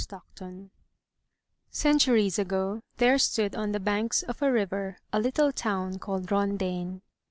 Stockton ENTURIES ago, there stood on the banks of a river a little town called Rondaine.